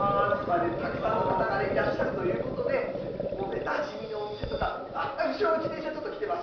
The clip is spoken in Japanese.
たくさんの方がいらっしゃるということでね、もうね、なじみのお店とか、あっ、後ろに自転車ちょっと来てます。